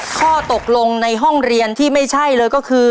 ข้อตกลงในห้องเรียนที่ไม่ใช่เลยก็คือ